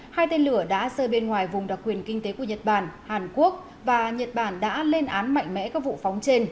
hai tên lửa đã rơi bên ngoài vùng đặc quyền kinh tế của nhật bản hàn quốc và nhật bản đã lên án mạnh mẽ các vụ phóng trên